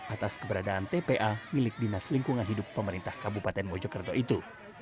atas keberadaan tpa milik dinas lingkungan hidup pemerintah kabupaten mojokerto itu